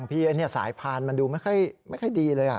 พี่สายพานมันดูไม่ค่อยดีเลย